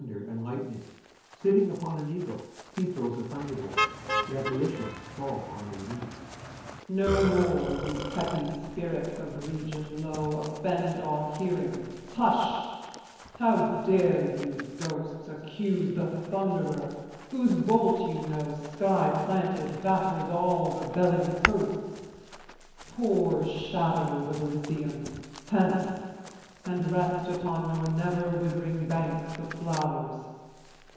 JUPITER descends in thunder and lightning, sitting upon an eagle. He throws a thunderbolt. The GHOSTS fall on their knees JUPITER. No more, you petty spirits of region low, Offend our hearing; hush! How dare you ghosts Accuse the Thunderer whose bolt, you know, Sky planted, batters all rebelling coasts? Poor shadows of Elysium, hence and rest Upon your never withering banks of flow'rs.